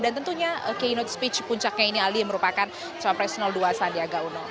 dan tentunya keynote speech puncaknya ini aldi yang merupakan co profesional dua sandiaga uno